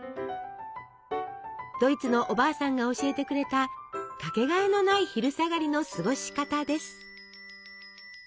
ドイツのおばあさんが教えてくれた掛けがえのない昼下がりの過ごし方です。